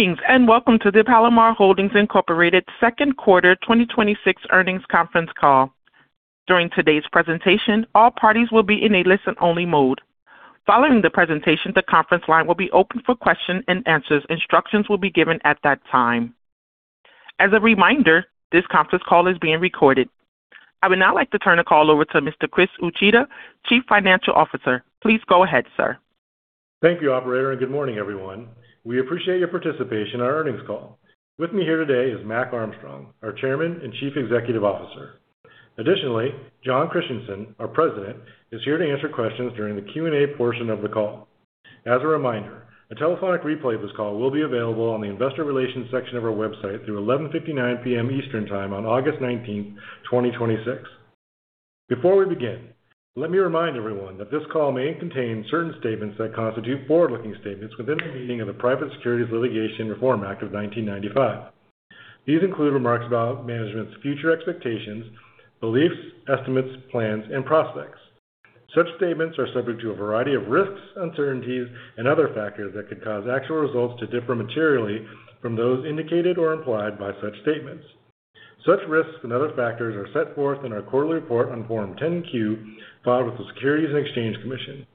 Greetings, welcome to the Palomar Holdings, Inc. second quarter 2026 earnings conference call. During today's presentation, all parties will be in a listen-only mode. Following the presentation, the conference line will be open for questions and answers. Instructions will be given at that time. As a reminder, this conference call is being recorded. I would now like to turn the call over to Mr. Chris Uchida, Chief Financial Officer. Please go ahead, sir. Thank you, operator, good morning, everyone. We appreciate your participation in our earnings call. With me here today is Mac Armstrong, our Chairman and Chief Executive Officer. Additionally, Jon Christianson, our President, is here to answer questions during the Q&A portion of the call. As a reminder, a telephonic replay of this call will be available on the investor relations section of our website through 11:59 P.M. Eastern Time on August 19th, 2026. Before we begin, let me remind everyone that this call may contain certain statements that constitute forward-looking statements within the meaning of the Private Securities Litigation Reform Act of 1995. These include remarks about management's future expectations, beliefs, estimates, plans, and prospects. Such statements are subject to a variety of risks, uncertainties, and other factors that could cause actual results to differ materially from those indicated or implied by such statements. Such risks and other factors are set forth in our quarterly report on Form 10-Q filed with the Securities and Exchange Commission.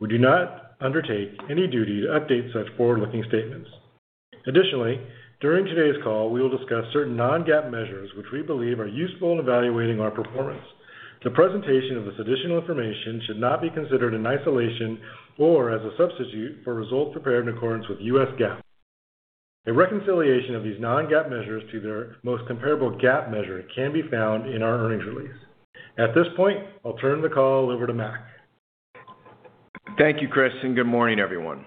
We do not undertake any duty to update such forward-looking statements. During today's call, we will discuss certain non-GAAP measures which we believe are useful in evaluating our performance. The presentation of this additional information should not be considered in isolation or as a substitute for results prepared in accordance with U.S. GAAP. A reconciliation of these non-GAAP measures to their most comparable GAAP measure can be found in our earnings release. At this point, I'll turn the call over to Mac. Thank you, Chris, good morning, everyone.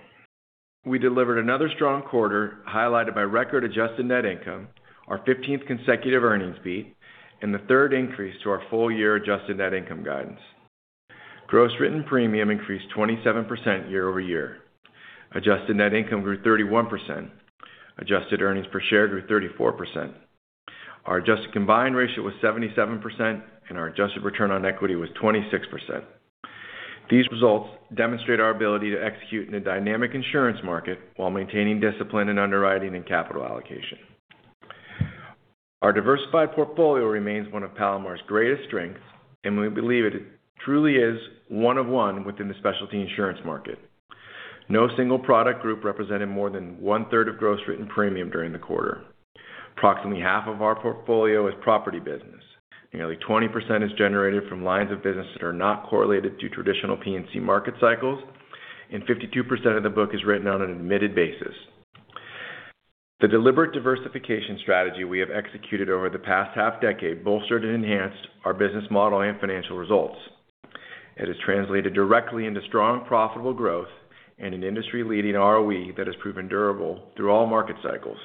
We delivered another strong quarter highlighted by record-adjusted net income, our 15th consecutive earnings beat, and the third increase to our full-year adjusted net income guidance. Gross written premium increased 27% year-over-year. Adjusted net income grew 31%. Adjusted earnings per share grew 34%. Our adjusted combined ratio was 77%, and our adjusted return on equity was 26%. These results demonstrate our ability to execute in a dynamic insurance market while maintaining discipline in underwriting and capital allocation. Our diversified portfolio remains one of Palomar's greatest strengths, we believe it truly is one of one within the specialty insurance market. No single product group represented more than one-third of gross written premium during the quarter. Approximately half of our portfolio is property business. Nearly 20% is generated from lines of business that are not correlated to traditional P&C market cycles, and 52% of the book is written on an admitted basis. The deliberate diversification strategy we have executed over the past half-decade bolstered and enhanced our business model and financial results. It has translated directly into strong, profitable growth and an industry-leading ROE that has proven durable through all market cycles.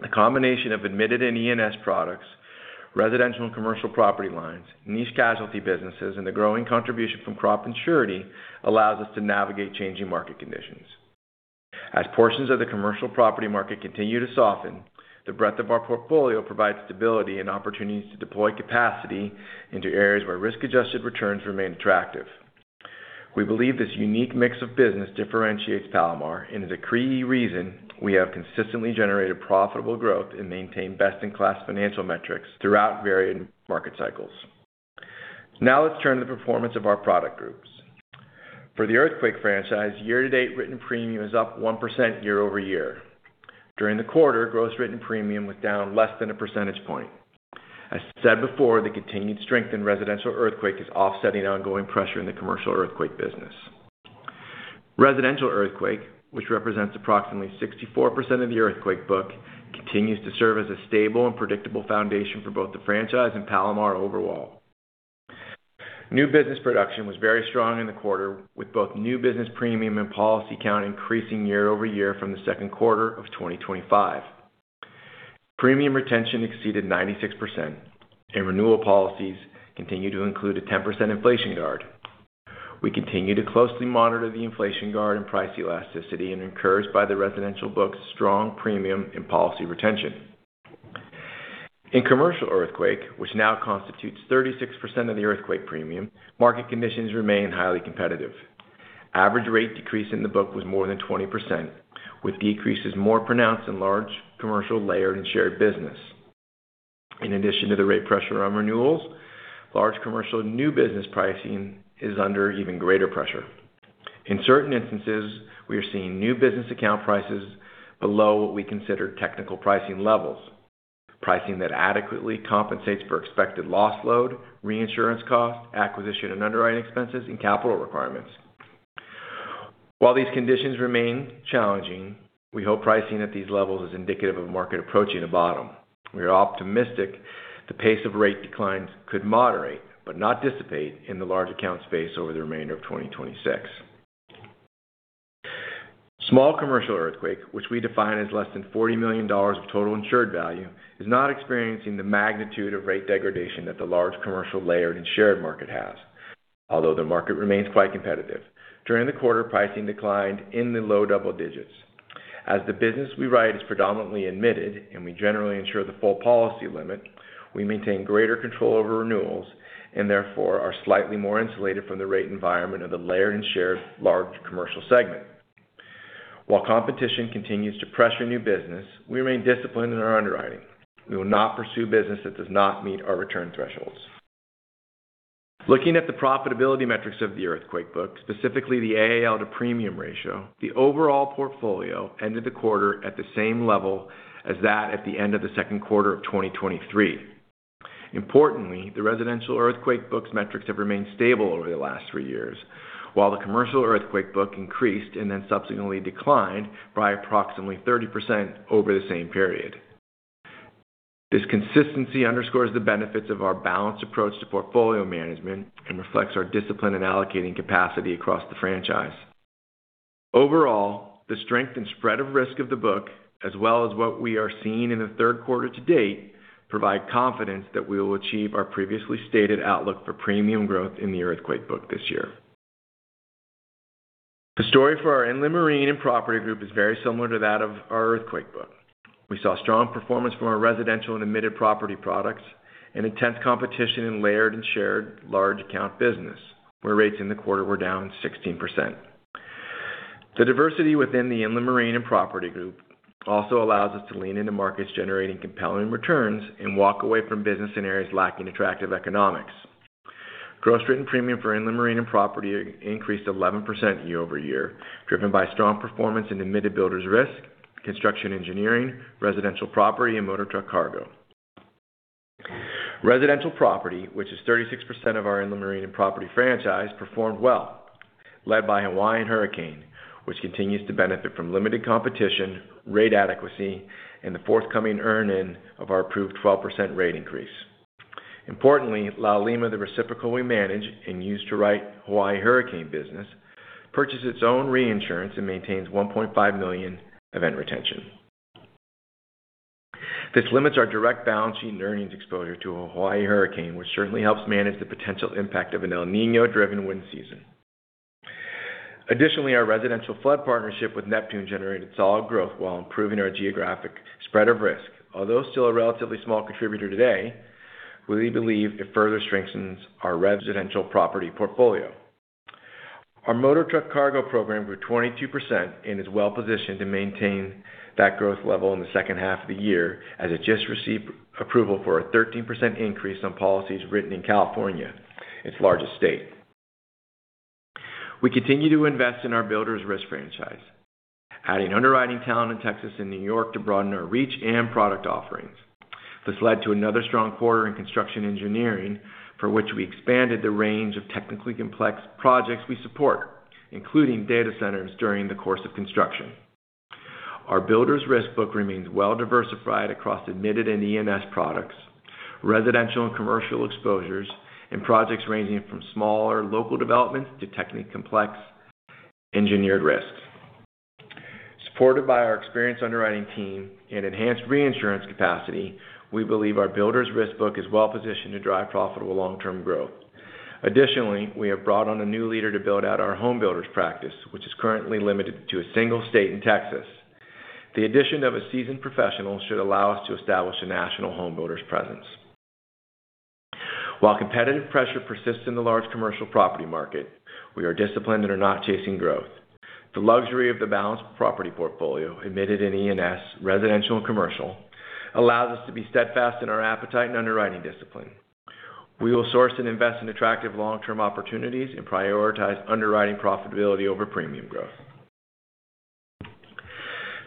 The combination of admitted and E&S products, residential and commercial property lines, niche casualty businesses, and the growing contribution from crop and surety allows us to navigate changing market conditions. As portions of the commercial property market continue to soften, the breadth of our portfolio provides stability and opportunities to deploy capacity into areas where risk-adjusted returns remain attractive. We believe this unique mix of business differentiates Palomar and is a key reason we have consistently generated profitable growth and maintained best-in-class financial metrics throughout varied market cycles. Now let's turn to the performance of our product groups. For the earthquake franchise, year-to-date written premium is up 1% year-over-year. During the quarter, gross written premium was down less than a percentage point. As said before, the continued strength in residential earthquake is offsetting ongoing pressure in the commercial earthquake business. Residential earthquake, which represents approximately 64% of the earthquake book, continues to serve as a stable and predictable foundation for both the franchise and Palomar overall. New business production was very strong in the quarter, with both new business premium and policy count increasing year-over-year from the second quarter of 2025. Premium retention exceeded 96%, and renewal policies continue to include a 10% inflation guard. We continue to closely monitor the inflation guard and price elasticity and are encouraged by the residential book's strong premium and policy retention. In commercial earthquake, which now constitutes 36% of the earthquake premium, market conditions remain highly competitive. Average rate decrease in the book was more than 20%, with decreases more pronounced in large commercial layered and shared business. In addition to the rate pressure on renewals, large commercial new business pricing is under even greater pressure. In certain instances, we are seeing new business account prices below what we consider technical pricing levels, pricing that adequately compensates for expected loss load, reinsurance cost, acquisition and underwriting expenses, and capital requirements. While these conditions remain challenging, we hope pricing at these levels is indicative of market approaching a bottom. We are optimistic the pace of rate declines could moderate but not dissipate in the large account space over the remainder of 2026. Small commercial earthquake, which we define as less than $40 million of total insured value, is not experiencing the magnitude of rate degradation that the large commercial layered and shared market has. Although the market remains quite competitive. During the quarter, pricing declined in the low double digits. As the business we write is predominantly admitted and we generally insure the full policy limit, we maintain greater control over renewals and therefore are slightly more insulated from the rate environment of the layered and shared large commercial segment. While competition continues to pressure new business, we remain disciplined in our underwriting. We will not pursue business that does not meet our return thresholds. Looking at the profitability metrics of the earthquake book, specifically the AAL to premium ratio, the overall portfolio ended the quarter at the same level as that at the end of the second quarter of 2023. Importantly, the residential earthquake book's metrics have remained stable over the last three years, while the commercial earthquake book increased and then subsequently declined by approximately 30% over the same period. This consistency underscores the benefits of our balanced approach to portfolio management and reflects our discipline in allocating capacity across the franchise. Overall, the strength and spread of risk of the book, as well as what we are seeing in the third quarter to date, provide confidence that we will achieve our previously stated outlook for premium growth in the earthquake book this year. The story for our inland marine and property group is very similar to that of our earthquake book. We saw strong performance from our residential and admitted property products and intense competition in layered and shared large account business, where rates in the quarter were down 16%. The diversity within the inland marine and property group also allows us to lean into markets generating compelling returns and walk away from business in areas lacking attractive economics. Gross written premium for inland marine and property increased 11% year-over-year, driven by strong performance in admitted builders risk, construction engineering, residential property, and motor truck cargo. Residential property, which is 36% of our inland marine and property franchise, performed well, led by Hawaiian hurricane, which continues to benefit from limited competition, rate adequacy, and the forthcoming earn-in of our approved 12% rate increase. Importantly, Laulima, the reciprocal we manage and use to write Hawaii hurricane business, purchased its own reinsurance and maintains $1.5 million event retention. This limits our direct balance sheet and earnings exposure to a Hawaii hurricane, which certainly helps manage the potential impact of an El Niño-driven wind season. Additionally, our residential flood partnership with Neptune generated solid growth while improving our geographic spread of risk. Although still a relatively small contributor today, we believe it further strengthens our residential property portfolio. Our motor truck cargo program grew 22% and is well-positioned to maintain that growth level in the second half of the year as it just received approval for a 13% increase on policies written in California, its largest state. We continue to invest in our builders risk franchise, adding underwriting talent in Texas and New York to broaden our reach and product offerings. This led to another strong quarter in construction engineering, for which we expanded the range of technically complex projects we support, including data centers during the course of construction. Our builders risk book remains well diversified across admitted and E&S products, residential and commercial exposures, and projects ranging from smaller local developments to technically complex engineered risks. Supported by our experienced underwriting team and enhanced reinsurance capacity, we believe our builders risk book is well-positioned to drive profitable long-term growth. Additionally, we have brought on a new leader to build out our home builders practice, which is currently limited to a single state in Texas. The addition of a seasoned professional should allow us to establish a national home builders presence. While competitive pressure persists in the large commercial property market, we are disciplined and are not chasing growth. The luxury of the balanced property portfolio admitted in E&S, residential and commercial, allows us to be steadfast in our appetite and underwriting discipline. We will source and invest in attractive long-term opportunities and prioritize underwriting profitability over premium growth.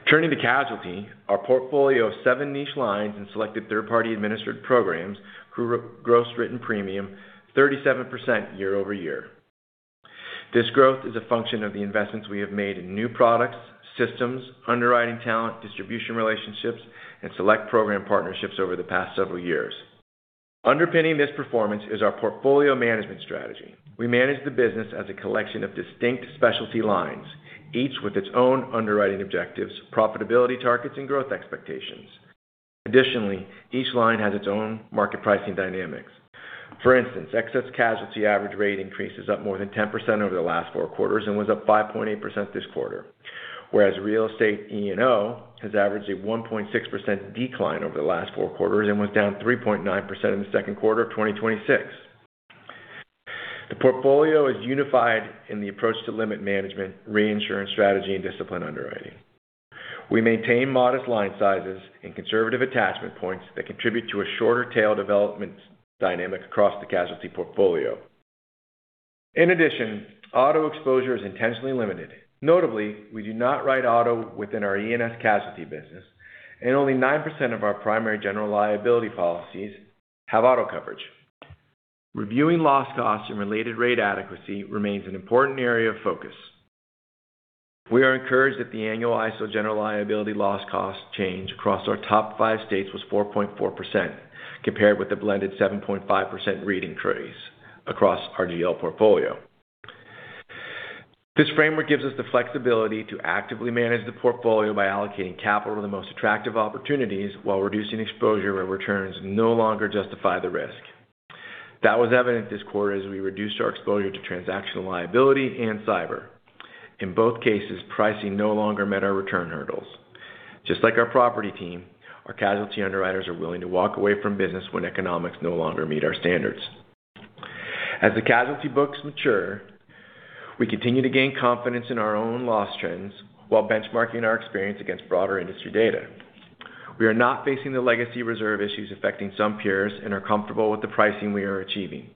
Turning to casualty, our portfolio of seven niche lines and selected third-party administered programs grew gross written premium 37% year-over-year. This growth is a function of the investments we have made in new products, systems, underwriting talent, distribution relationships, and select program partnerships over the past several years. Underpinning this performance is our portfolio management strategy. We manage the business as a collection of distinct specialty lines, each with its own underwriting objectives, profitability targets, and growth expectations. Additionally, each line has its own market pricing dynamics. For instance, excess casualty average rate increase is up more than 10% over the last four quarters and was up 5.8% this quarter. Whereas real estate E&O has averaged a 1.6% decline over the last four quarters and was down 3.9% in the second quarter of 2026. The portfolio is unified in the approach to limit management, reinsurance strategy, and disciplined underwriting. We maintain modest line sizes and conservative attachment points that contribute to a shorter tail development dynamic across the casualty portfolio. In addition, auto exposure is intentionally limited. Notably, we do not write auto within our E&S casualty business, and only 9% of our primary general liability policies have auto coverage. Reviewing loss costs and related rate adequacy remains an important area of focus. We are encouraged that the annual ISO general liability loss cost change across our top five states was 4.4%, compared with the blended 7.5% rating increase across our GL portfolio. This framework gives us the flexibility to actively manage the portfolio by allocating capital to the most attractive opportunities while reducing exposure where returns no longer justify the risk. That was evident this quarter as we reduced our exposure to transactional liability and cyber. In both cases, pricing no longer met our return hurdles. Just like our property team, our casualty underwriters are willing to walk away from business when economics no longer meet our standards. As the casualty books mature, we continue to gain confidence in our own loss trends while benchmarking our experience against broader industry data. We are not facing the legacy reserve issues affecting some peers and are comfortable with the pricing we are achieving.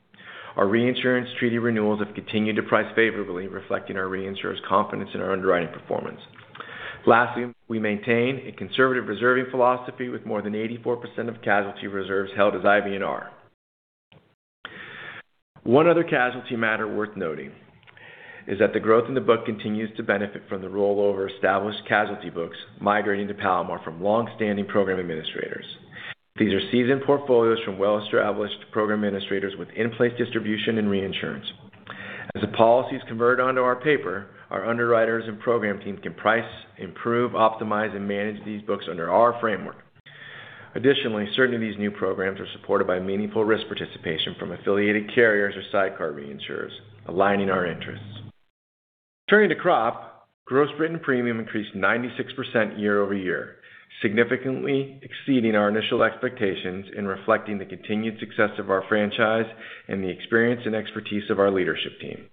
Our reinsurance treaty renewals have continued to price favorably, reflecting our reinsurers' confidence in our underwriting performance. Lastly, we maintain a conservative reserving philosophy with more than 84% of casualty reserves held as IBNR. One other casualty matter worth noting is that the growth in the book continues to benefit from the rollover established casualty books migrating to Palomar from longstanding program administrators. These are seasoned portfolios from well-established program administrators with in-place distribution and reinsurance. As the policies convert onto our paper, our underwriters and program team can price, improve, optimize, and manage these books under our framework. Additionally, certainly these new programs are supported by meaningful risk participation from affiliated carriers or sidecar reinsurers, aligning our interests. Turning to crop, gross written premium increased 96% year-over-year, significantly exceeding our initial expectations in reflecting the continued success of our franchise and the experience and expertise of our leadership team.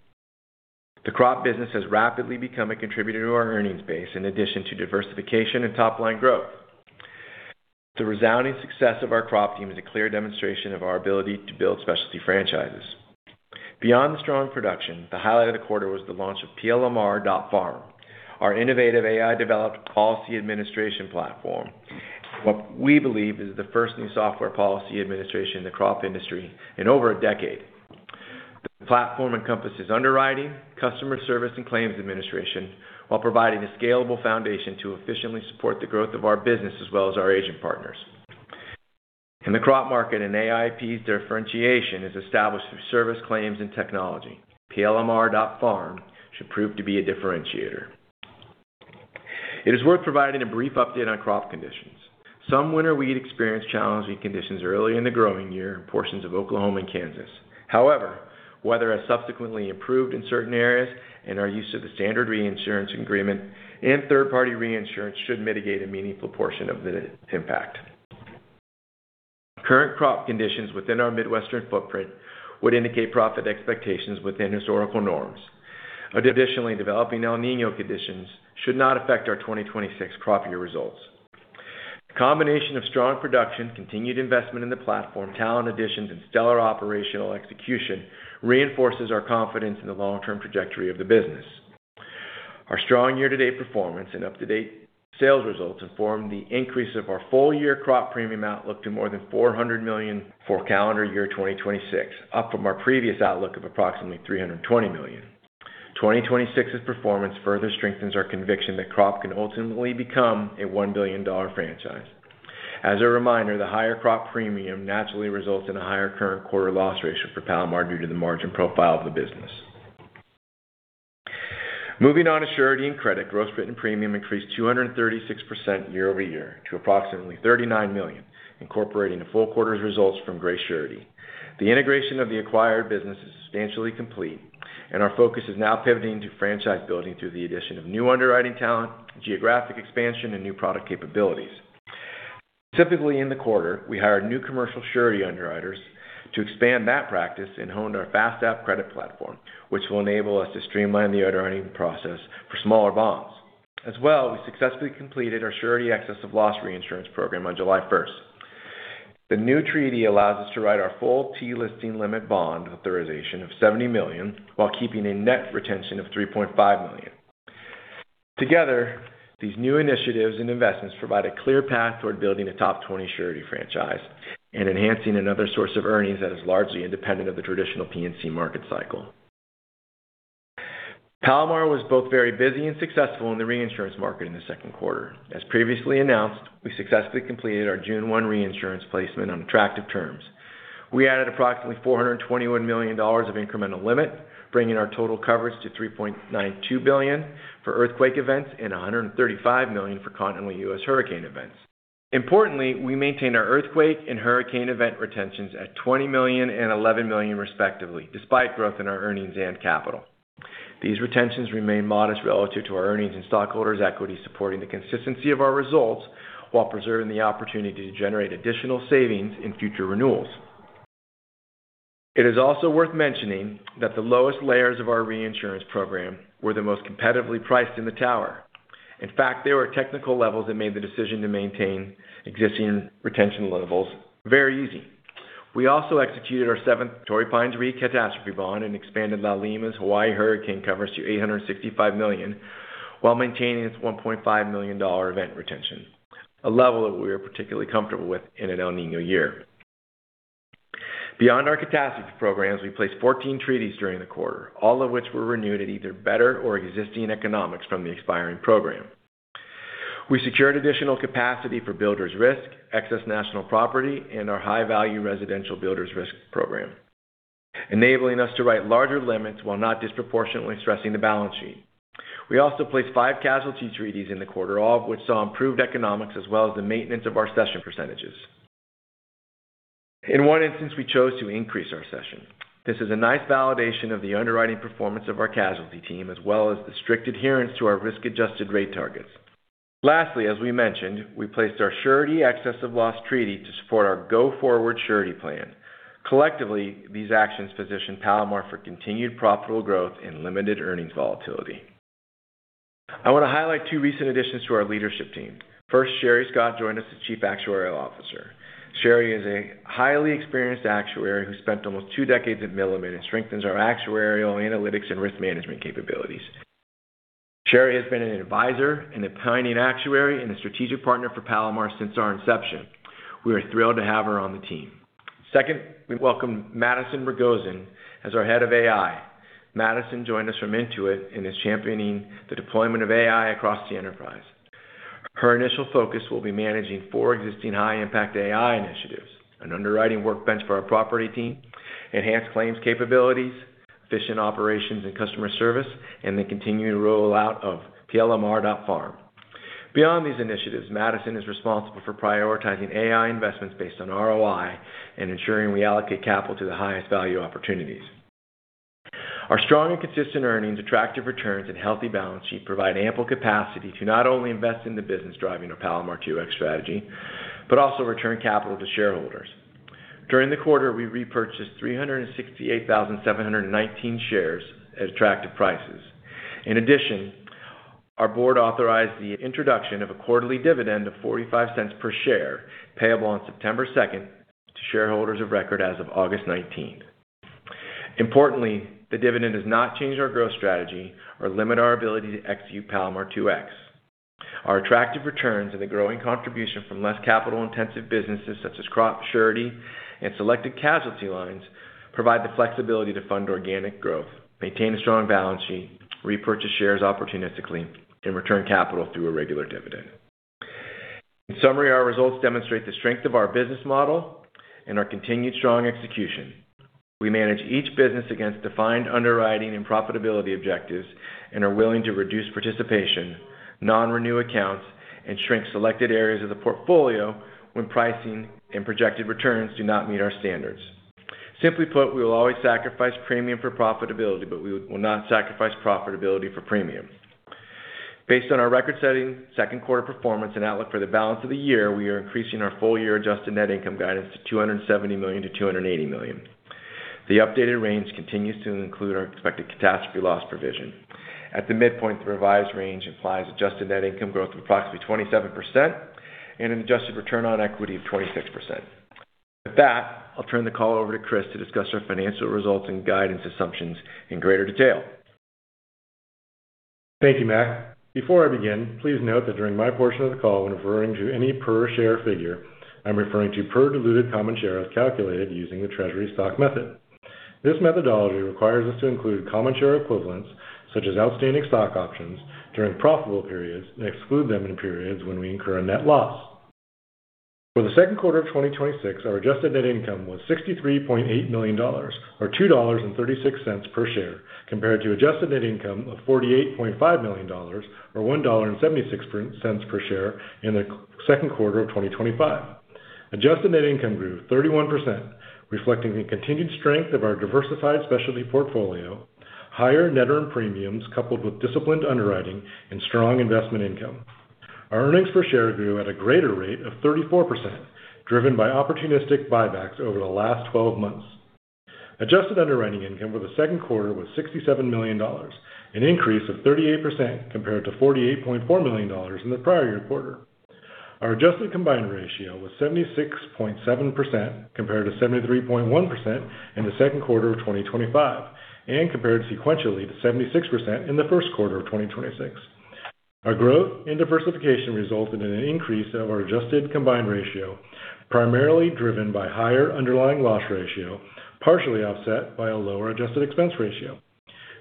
The crop business has rapidly become a contributor to our earnings base in addition to diversification and top-line growth. The resounding success of our crop team is a clear demonstration of our ability to build specialty franchises. Beyond the strong production, the highlight of the quarter was the launch of PLMR.Farm, our innovative AI-developed policy administration platform, what we believe is the first new software policy administration in the crop industry in over a decade. The platform encompasses underwriting, customer service, and claims administration while providing a scalable foundation to efficiently support the growth of our business as well as our agent partners. In the crop market, an AIP's differentiation is established through service claims and technology. PLMR.Farm should prove to be a differentiator. It is worth providing a brief update on crop conditions. Some winter wheat experienced challenging conditions early in the growing year in portions of Oklahoma and Kansas. Weather has subsequently improved in certain areas, and our use of the Standard Reinsurance Agreement and third-party reinsurance should mitigate a meaningful portion of the impact. Current crop conditions within our Midwestern footprint would indicate profit expectations within historical norms. Developing El Niño conditions should not affect our 2026 crop year results. The combination of strong production, continued investment in the platform, talent additions, and stellar operational execution reinforces our confidence in the long-term trajectory of the business. Our strong year-to-date performance and up-to-date sales results inform the increase of our full-year crop premium outlook to more than $400 million for calendar year 2026, up from our previous outlook of approximately $320 million. 2026's performance further strengthens our conviction that crop can ultimately become a $1 billion franchise. As a reminder, the higher crop premium naturally results in a higher current quarter loss ratio for Palomar due to the margin profile of the business. Moving on to surety and credit, gross written premium increased 236% year-over-year to approximately $39 million, incorporating the full quarter's results from Gray Surety. The integration of the acquired business is substantially complete, and our focus is now pivoting to franchise building through the addition of new underwriting talent, geographic expansion, and new product capabilities. Typically, in the quarter, we hired new commercial surety underwriters to expand that practice and honed our FastApp credit platform, which will enable us to streamline the underwriting process for smaller bonds. We successfully completed our surety excess of loss reinsurance program on July 1st. The new treaty allows us to write our full T-List limit bond authorization of $70 million while keeping a net retention of $3.5 million. Together, these new initiatives and investments provide a clear path toward building a top 20 surety franchise and enhancing another source of earnings that is largely independent of the traditional P&C market cycle. Palomar was both very busy and successful in the reinsurance market in the second quarter. Previously announced, we successfully completed our June 1 reinsurance placement on attractive terms. We added approximately $421 million of incremental limit, bringing our total coverage to $3.92 billion for earthquake events and $135 million for continental U.S. hurricane events. We maintain our earthquake and hurricane event retentions at $20 million and $11 million respectively, despite growth in our earnings and capital. These retentions remain modest relative to our earnings and stockholders' equity, supporting the consistency of our results while preserving the opportunity to generate additional savings in future renewals. It is also worth mentioning that the lowest layers of our reinsurance program were the most competitively priced in the tower. In fact, they were at technical levels that made the decision to maintain existing retention levels very easy. We also executed our 7th Torrey Pines Re catastrophe bond and expanded Laulima's Hawaii hurricane coverage to $865 million while maintaining its $1.5 million event retention, a level that we are particularly comfortable with in an El Niño year. Beyond our catastrophe programs, we placed 14 treaties during the quarter, all of which were renewed at either better or existing economics from the expiring program. We secured additional capacity for builders risk, excess national property, and our high-value residential builders risk program, enabling us to write larger limits while not disproportionately stressing the balance sheet. We also placed five casualty treaties in the quarter, all of which saw improved economics as well as the maintenance of our session percentages. In one instance, we chose to increase our session. This is a nice validation of the underwriting performance of our casualty team as well as the strict adherence to our risk-adjusted rate targets. As we mentioned, we placed our surety excess of loss treaty to support our go-forward surety plan. Collectively, these actions position Palomar for continued profitable growth and limited earnings volatility. I want to highlight two recent additions to our leadership team. First, Sheri Scott joined us as Chief Actuarial Officer. Sheri is a highly experienced actuary who spent almost two decades at Milliman and strengthens our actuarial, analytics, and risk management capabilities. Sheri has been an advisor and a pioneering actuary and a strategic partner for Palomar since our inception. We are thrilled to have her on the team. Second, we welcome Madison Ragozin as our Head of AI. Madison joined us from Intuit and is championing the deployment of AI across the enterprise. Her initial focus will be managing four existing high-impact AI initiatives, an underwriting workbench for our property team, enhanced claims capabilities, efficient operations and customer service, and the continuing rollout of PLMR.Farm. Beyond these initiatives, Madison is responsible for prioritizing AI investments based on ROI and ensuring we allocate capital to the highest value opportunities. Our strong and consistent earnings, attractive returns, and healthy balance sheet provide ample capacity to not only invest in the business driving our Palomar 2X strategy, but also return capital to shareholders. During the quarter, we repurchased 368,719 shares at attractive prices. In addition, our board authorized the introduction of a quarterly dividend of $0.45 per share, payable on September 2nd to shareholders of record as of August 19th. Importantly, the dividend has not changed our growth strategy or limit our ability to execute Palomar 2X. Our attractive returns and the growing contribution from less capital-intensive businesses such as crop surety and selected casualty lines provide the flexibility to fund organic growth, maintain a strong balance sheet, repurchase shares opportunistically, and return capital through a regular dividend. In summary, our results demonstrate the strength of our business model and our continued strong execution. We manage each business against defined underwriting and profitability objectives and are willing to reduce participation, non-renew accounts, and shrink selected areas of the portfolio when pricing and projected returns do not meet our standards. Simply put, we will always sacrifice premium for profitability, but we will not sacrifice profitability for premium. Based on our record-setting second quarter performance and outlook for the balance of the year, we are increasing our full-year adjusted net income guidance to $270 million-$280 million. The updated range continues to include our expected catastrophe loss provision. At the midpoint, the revised range implies adjusted net income growth of approximately 27% and an adjusted return on equity of 26%. With that, I'll turn the call over to Chris to discuss our financial results and guidance assumptions in greater detail. Thank you, Mac. Before I begin, please note that during my portion of the call, when referring to any per share figure, I'm referring to per diluted common share as calculated using the treasury stock method. This methodology requires us to include common share equivalents, such as outstanding stock options, during profitable periods and exclude them in periods when we incur a net loss. For the second quarter of 2026, our adjusted net income was $63.8 million, or $2.36 per share, compared to adjusted net income of $48.5 million, or $1.76 per share in the second quarter of 2025. Adjusted net income grew 31%, reflecting the continued strength of our diversified specialty portfolio, higher net earned premiums, coupled with disciplined underwriting and strong investment income. Our earnings per share grew at a greater rate of 34%, driven by opportunistic buybacks over the last 12 months. Adjusted underwriting income for the second quarter was $67 million, an increase of 38% compared to $48.4 million in the prior year quarter. Our adjusted combined ratio was 76.7% compared to 73.1% in the second quarter of 2025, and compared sequentially to 76% in the first quarter of 2026. Our growth and diversification resulted in an increase of our adjusted combined ratio, primarily driven by higher underlying loss ratio, partially offset by a lower adjusted expense ratio.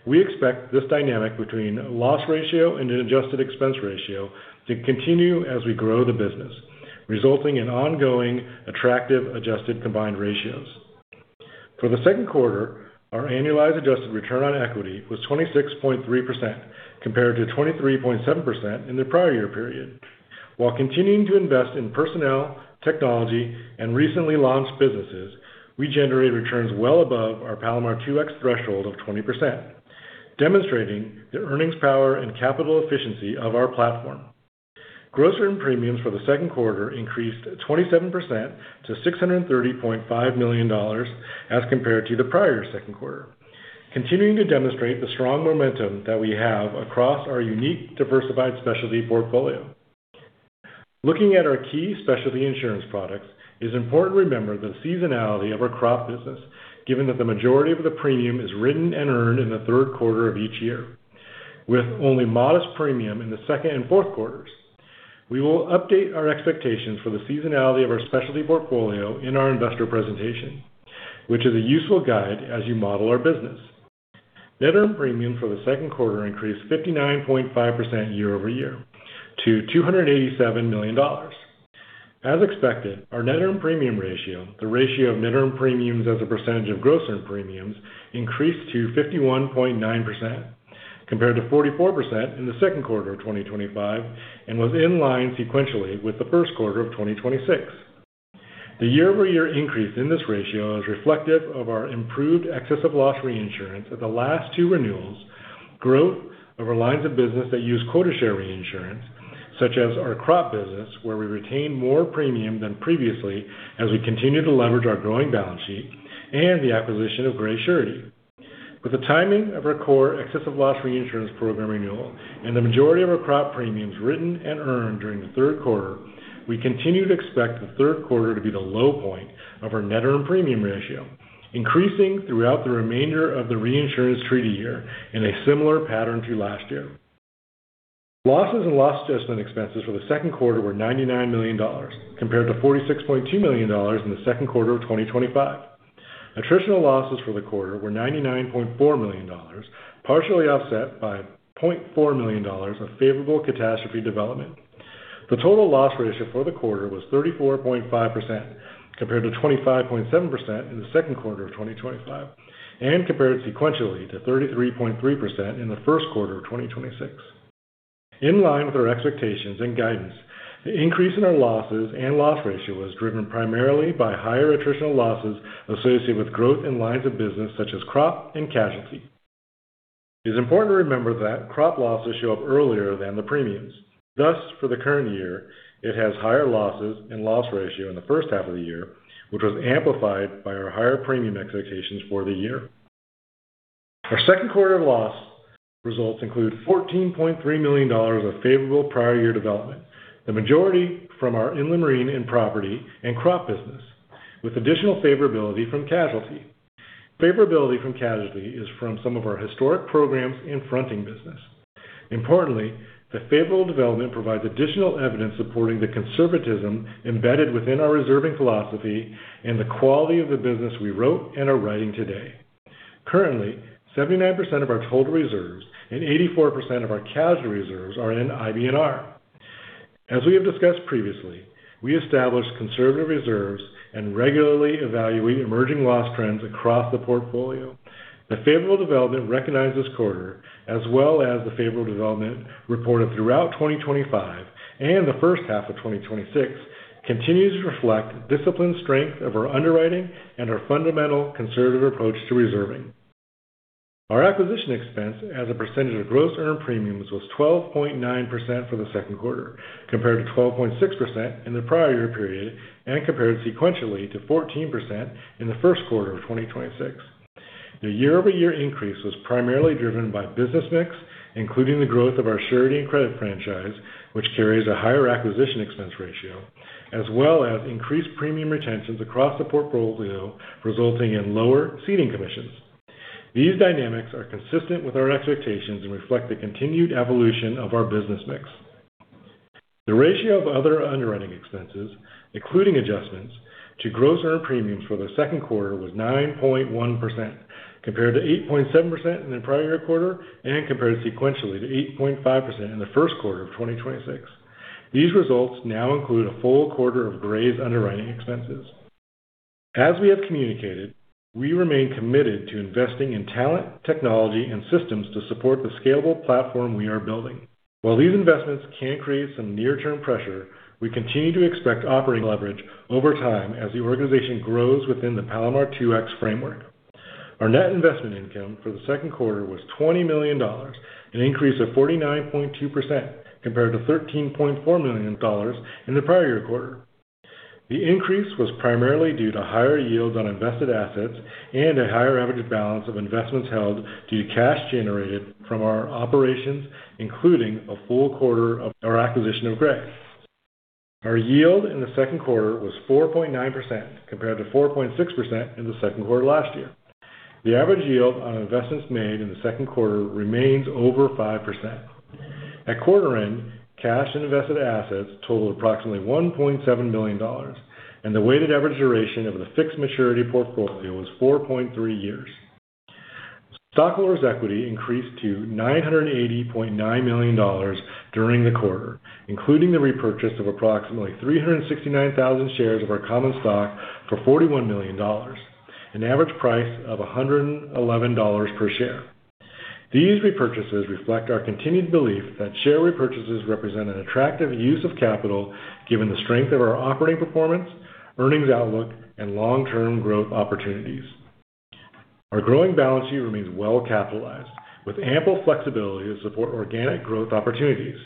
We expect this dynamic between loss ratio and an adjusted expense ratio to continue as we grow the business, resulting in ongoing attractive adjusted combined ratios. For the second quarter, our annualized adjusted return on equity was 26.3% compared to 23.7% in the prior year period. While continuing to invest in personnel, technology, and recently launched businesses, we generated returns well above our Palomar 2X threshold of 20%, demonstrating the earnings power and capital efficiency of our platform. Gross earned premiums for the second quarter increased 27% to $630.5 million as compared to the prior second quarter, continuing to demonstrate the strong momentum that we have across our unique diversified specialty portfolio. Looking at our key specialty insurance products, it is important to remember the seasonality of our crop business, given that the majority of the premium is written and earned in the third quarter of each year. With only modest premium in the second and fourth quarters, we will update our expectations for the seasonality of our specialty portfolio in our investor presentation, which is a useful guide as you model our business. Net earned premium for the second quarter increased 59.5% year-over-year to $287 million. As expected, our net earned premium ratio, the ratio of net earned premiums as a percentage of gross earned premiums, increased to 51.9% compared to 44% in the second quarter of 2025, and was in line sequentially with the first quarter of 2026. The year-over-year increase in this ratio is reflective of our improved excess of loss reinsurance at the last two renewals, growth of our lines of business that use quota share reinsurance, such as our crop business, where we retain more premium than previously as we continue to leverage our growing balance sheet, and the acquisition of Gray Surety. With the timing of our core excess of loss reinsurance program renewal and the majority of our crop premiums written and earned during the third quarter, we continue to expect the third quarter to be the low point of our net earned premium ratio, increasing throughout the remainder of the reinsurance treaty year in a similar pattern to last year. Losses and loss adjustment expenses for the second quarter were $99 million compared to $46.2 million in the second quarter of 2025. Attritional losses for the quarter were $99.4 million, partially offset by $0.4 million of favorable catastrophe development. The total loss ratio for the quarter was 34.5% compared to 25.7% in the second quarter of 2025, and compared sequentially to 33.3% in the first quarter of 2026. In line with our expectations and guidance, the increase in our losses and loss ratio was driven primarily by higher attritional losses associated with growth in lines of business such as crop and casualty. It is important to remember that crop losses show up earlier than the premiums. Thus, for the current year, it has higher losses and loss ratio in the first half of the year, which was amplified by our higher premium expectations for the year. Our second quarter loss results include $14.3 million of favorable prior year development, the majority from our inland marine and property and crop business, with additional favorability from casualty. Favorability from casualty is from some of our historic programs and fronting business. Importantly, the favorable development provides additional evidence supporting the conservatism embedded within our reserving philosophy and the quality of the business we wrote and are writing today. Currently, 79% of our total reserves and 84% of our casualty reserves are in IBNR. As we have discussed previously, we establish conservative reserves and regularly evaluate emerging loss trends across the portfolio. The favorable development recognized this quarter, as well as the favorable development reported throughout 2025 and the first half of 2026, continues to reflect disciplined strength of our underwriting and our fundamental conservative approach to reserving. Our acquisition expense as a percentage of gross earned premiums was 12.9% for the second quarter, compared to 12.6% in the prior year period and compared sequentially to 14% in the first quarter of 2026. The year-over-year increase was primarily driven by business mix, including the growth of our surety and credit franchise, which carries a higher acquisition expense ratio, as well as increased premium retentions across the portfolio, resulting in lower ceding commissions. These dynamics are consistent with our expectations and reflect the continued evolution of our business mix. The ratio of other underwriting expenses, including adjustments to gross earned premiums for the second quarter, was 9.1%, compared to 8.7% in the prior year quarter and compared sequentially to 8.5% in the first quarter of 2026. These results now include a full quarter of Gray's underwriting expenses. As we have communicated, we remain committed to investing in talent, technology, and systems to support the scalable platform we are building. While these investments can create some near-term pressure, we continue to expect operating leverage over time as the organization grows within the Palomar 2X framework. Our net investment income for the second quarter was $20 million, an increase of 49.2% compared to $13.4 million in the prior year quarter. The increase was primarily due to higher yields on invested assets and a higher average balance of investments held due to cash generated from our operations, including a full quarter of our acquisition of Gray. Our yield in the second quarter was 4.9% compared to 4.6% in the second quarter last year. The average yield on investments made in the second quarter remains over 5%. At quarter end, cash and invested assets totaled approximately $1.7 billion, and the weighted average duration of the fixed maturity portfolio was 4.3 years. Stockholders' equity increased to $980.9 million during the quarter, including the repurchase of approximately 369,000 shares of our common stock for $41 million, an average price of $111 per share. These repurchases reflect our continued belief that share repurchases represent an attractive use of capital, given the strength of our operating performance, earnings outlook, and long-term growth opportunities. Our growing balance sheet remains well-capitalized, with ample flexibility to support organic growth opportunities,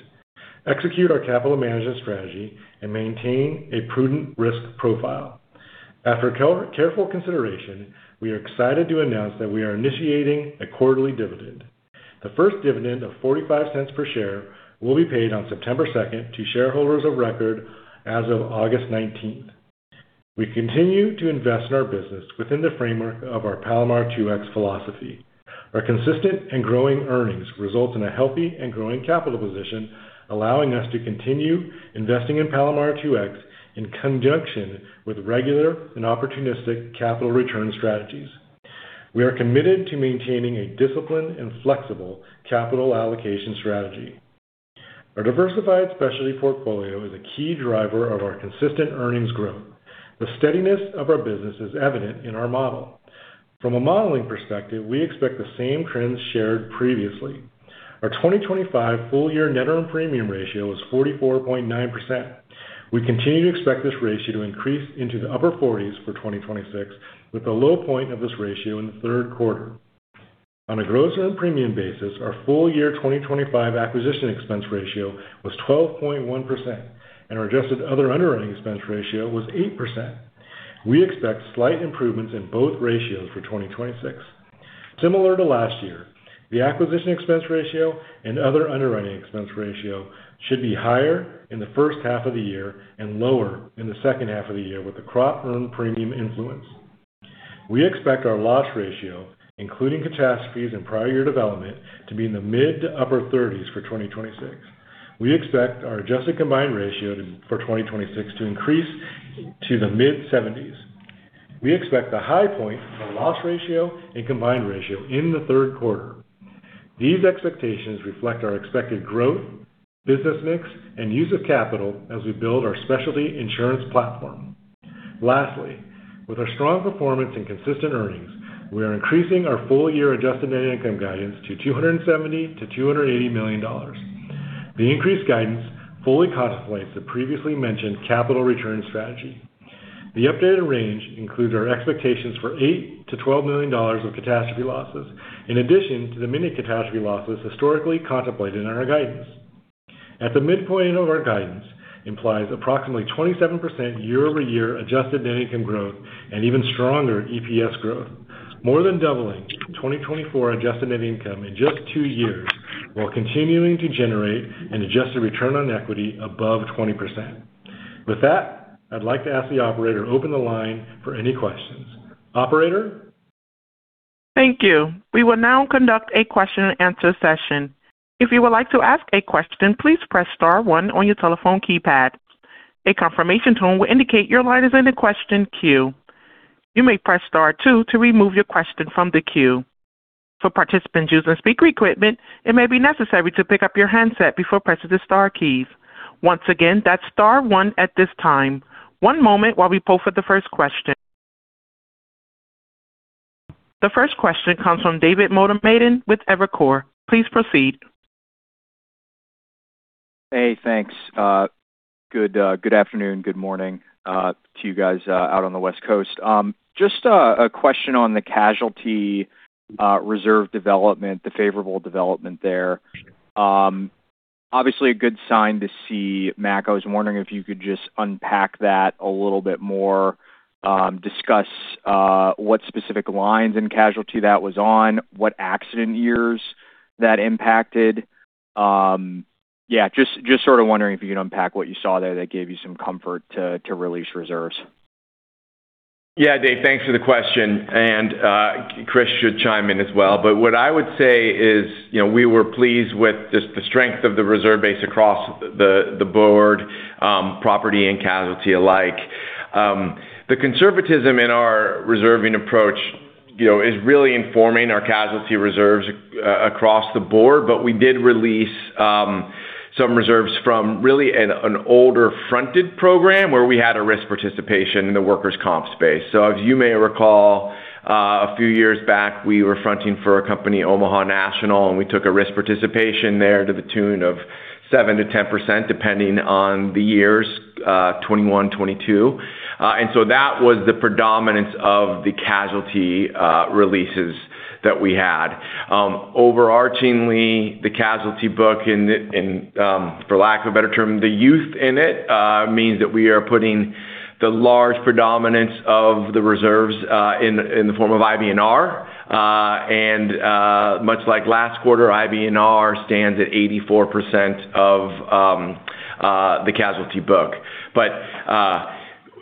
execute our capital management strategy, and maintain a prudent risk profile. After careful consideration, we are excited to announce that we are initiating a quarterly dividend. The first dividend of $0.45 per share will be paid on September 2nd to shareholders of record as of August 19th. We continue to invest in our business within the framework of our Palomar 2X philosophy. Our consistent and growing earnings result in a healthy and growing capital position, allowing us to continue investing in Palomar 2X in conjunction with regular and opportunistic capital return strategies. We are committed to maintaining a disciplined and flexible capital allocation strategy. Our diversified specialty portfolio is a key driver of our consistent earnings growth. The steadiness of our business is evident in our model. From a modeling perspective, we expect the same trends shared previously. Our 2025 full year net earned premium ratio was 44.9%. We continue to expect this ratio to increase into the upper 40s for 2026, with a low point of this ratio in the third quarter. On a gross earned premium basis, our full year 2025 acquisition expense ratio was 12.1%, and our adjusted other underwriting expense ratio was 8%. We expect slight improvements in both ratios for 2026. Similar to last year, the acquisition expense ratio and other underwriting expense ratio should be higher in the first half of the year and lower in the second half of the year with the crop earned premium influence. We expect our loss ratio, including catastrophes and prior year development, to be in the mid to upper 30s for 2026. We expect our adjusted combined ratio for 2026 to increase to the mid 70s. We expect the high point in the loss ratio and combined ratio in the third quarter. These expectations reflect our expected growth, business mix, and use of capital as we build our specialty insurance platform. Lastly, with our strong performance and consistent earnings, we are increasing our full year adjusted net income guidance to $270 million-$280 million. The increased guidance fully contemplates the previously mentioned capital return strategy. The updated range includes our expectations for $8 million-$12 million of catastrophe losses, in addition to the mini catastrophe losses historically contemplated in our guidance. At the midpoint of our guidance implies approximately 27% year-over-year adjusted net income growth and even stronger EPS growth, more than doubling 2024 adjusted net income in just two years while continuing to generate an adjusted ROE above 20%. With that, I'd like to ask the operator to open the line for any questions. Operator? Thank you. We will now conduct a question and answer session. If you would like to ask a question, please press star one on your telephone keypad. A confirmation tone will indicate your line is in the question queue. You may press star two to remove your question from the queue. For participants using speaker equipment, it may be necessary to pick up your handset before pressing the star keys. Once again, that's star one at this time. One moment while we poll for the first question. The first question comes from David Motemaden with Evercore. Please proceed. Hey, thanks. Good afternoon, good morning to you guys out on the West Coast. Just a question on the casualty reserve development, the favorable development there. Obviously, a good sign to see, Mac. I was wondering if you could just unpack that a little bit more, discuss what specific lines in casualty that was on, what accident years that impacted. Just wondering if you can unpack what you saw there that gave you some comfort to release reserves. Dave, thanks for the question. Chris should chime in as well. What I would say is we were pleased with just the strength of the reserve base across the board, property and casualty alike. The conservatism in our reserving approach is really informing our casualty reserves across the board, but we did release some reserves from really an older fronted program where we had a risk participation in the workers' comp space. As you may recall, a few years back, we were fronting for a company, Omaha National, and we took a risk participation there to the tune of 7%-10%, depending on the years 2021, 2022. That was the predominance of the casualty releases that we had. Overarchingly, the casualty book in, for lack of a better term, the youth in it, means that we are putting the large predominance of the reserves in the form of IBNR. Much like last quarter, IBNR stands at 84% of the casualty book.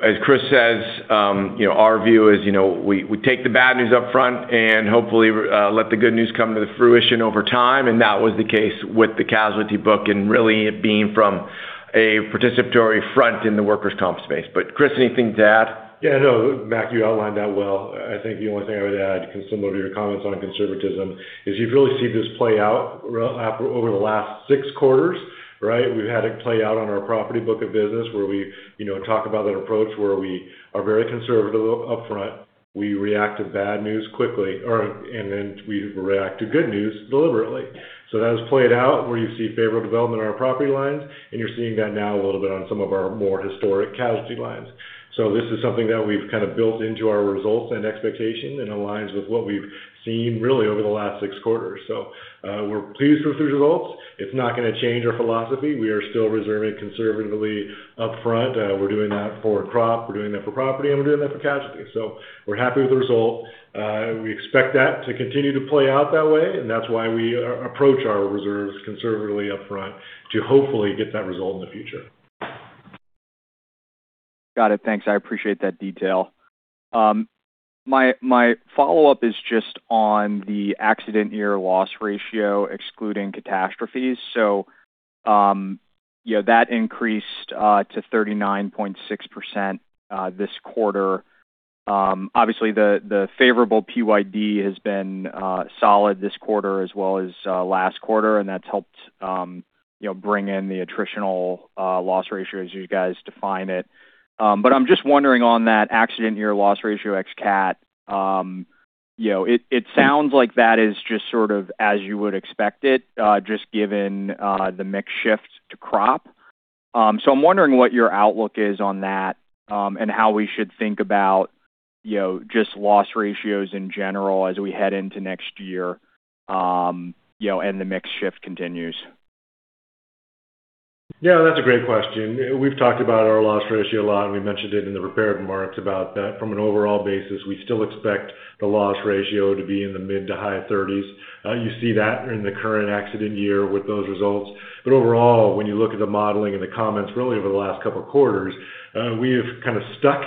As Chris says, our view is we take the bad news upfront and hopefully let the good news come to the fruition over time, and that was the case with the casualty book and really it being from a participatory front in the workers' comp space. Chris, anything to add? Mac, you outlined that well. I think the only thing I would add, similar to your comments on conservatism, is you've really seen this play out over the last six quarters, right? We've had it play out on our property book of business where we talk about that approach where we are very conservative upfront. We react to bad news quickly, and then we react to good news deliberately. That has played out where you see favorable development on our property lines, and you're seeing that now a little bit on some of our more historic casualty lines. This is something that we've kind of built into our results and expectation and aligns with what we've seen really over the last six quarters. We're pleased with these results. It's not going to change our philosophy. We are still reserving conservatively upfront. We're doing that for crop, we're doing that for property, and we're doing that for casualty. We're happy with the result. We expect that to continue to play out that way, and that's why we approach our reserves conservatively upfront to hopefully get that result in the future. Got it. Thanks. I appreciate that detail. My follow-up is just on the accident year loss ratio, excluding catastrophes. That increased to 39.6% this quarter. Obviously, the favorable PYD has been solid this quarter as well as last quarter, and that's helped bring in the attritional loss ratio as you guys define it. I'm just wondering on that accident year loss ratio ex-cat, it sounds like that is just sort of as you would expect it, just given the mix shift to crop. I'm wondering what your outlook is on that, and how we should think about just loss ratios in general as we head into next year, and the mix shift continues. That's a great question. We've talked about our loss ratio a lot, and we mentioned it in the prepared remarks about that from an overall basis, we still expect the loss ratio to be in the mid to high 30s. You see that in the current accident year with those results. Overall, when you look at the modeling and the comments really over the last couple of quarters, we have kind of stuck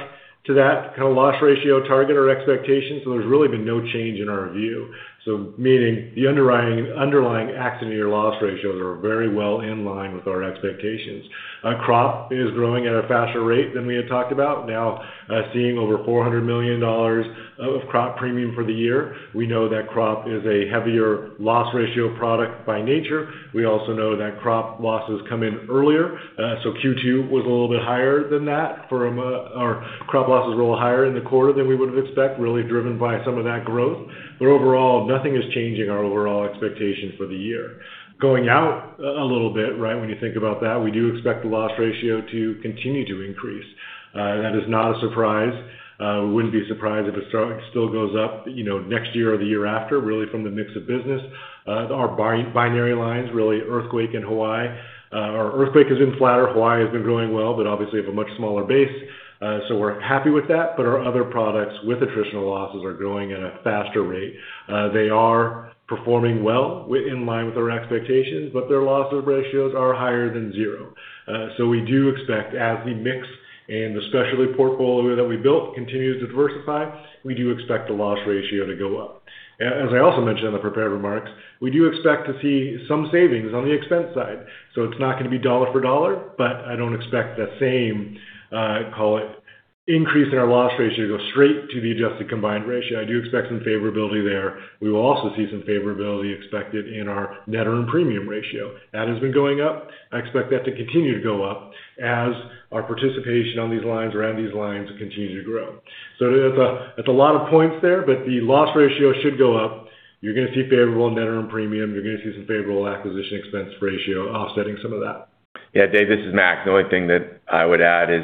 to that kind of loss ratio target or expectation. There's really been no change in our view. Meaning the underlying accident year loss ratios are very well in line with our expectations. Crop is growing at a faster rate than we had talked about, now seeing over $400 million of crop premium for the year. We know that crop is a heavier loss ratio product by nature. We also know that crop losses come in earlier. Q2 was a little bit higher than that. Crop losses were a little higher in the quarter than we would have expected, really driven by some of that growth. Overall, nothing is changing our overall expectation for the year. Going out a little bit, when you think about that, we do expect the loss ratio to continue to increase. That is not a surprise. We wouldn't be surprised if it still goes up next year or the year after, really from the mix of business. Our binary lines, really earthquake in Hawaii. Our earthquake has been flatter. Hawaii has been growing well, but obviously have a much smaller base. We're happy with that. Our other products with attritional losses are growing at a faster rate. They are performing well in line with our expectations, but their loss of ratios are higher than zero. We do expect as the mix and the specialty portfolio that we built continues to diversify, we do expect the loss ratio to go up. As I also mentioned in the prepared remarks, we do expect to see some savings on the expense side. It's not going to be dollar for dollar, but I don't expect the same, call it, increase in our loss ratio to go straight to the adjusted combined ratio. I do expect some favorability there. We will also see some favorability expected in our net earned premium ratio. That has been going up. I expect that to continue to go up as our participation on these lines or around these lines continues to grow. That's a lot of points there, but the loss ratio should go up. You're going to see favorable net earned premium. You're going to see some favorable acquisition expense ratio offsetting some of that. Dave, this is Mac. The only thing that I would add is